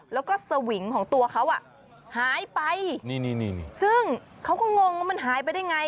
แล้วก็สวิงของตัวเขาอ่ะหายไปซึ่งเขาก็งงว่ามันหายไปได้ไง